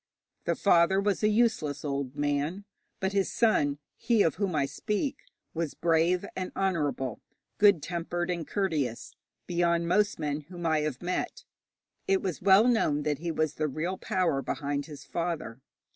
The father was a useless old man, but his son, he of whom I speak, was brave and honourable, good tempered and courteous, beyond most men whom I have met. It was well known that he was the real power behind his father.